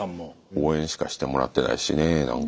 応援しかしてもらってないしねなんか。